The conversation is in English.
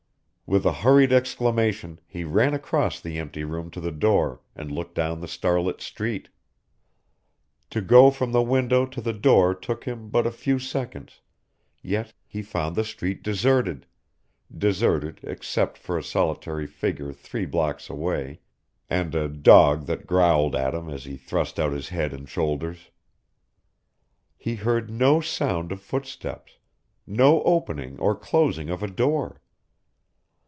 With a hurried exclamation he ran across the empty room to the door and looked down the starlit street. To go from the window to the door took him but a few seconds, yet he found the street deserted deserted except for a solitary figure three blocks away and a dog that growled at him as he thrust out his head and shoulders. He heard no sound of footsteps, no opening or closing of a door.